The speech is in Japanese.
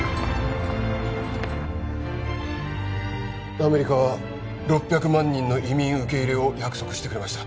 アメリカは６００万人の移民受け入れを約束してくれました